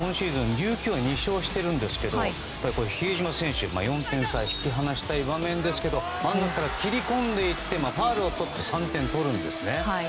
実はこのシーズン琉球が２勝しているんですけど比江島選手、４点差で引き離したい場面ですが真ん中から切り込んでいってファウルをとって３点取るんですよね。